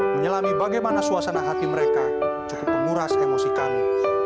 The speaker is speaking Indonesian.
menyelami bagaimana suasana hati mereka cukup menguras emosi kami